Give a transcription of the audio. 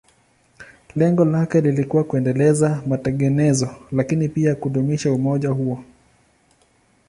Lengo lake lilikuwa kuendeleza matengenezo, lakini pia kudumisha umoja huo.